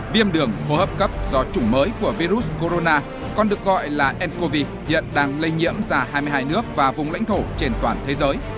viêm đường hô hấp cấp do chủng mới của virus corona còn được gọi là ncov hiện đang lây nhiễm ra hai mươi hai nước và vùng lãnh thổ trên toàn thế giới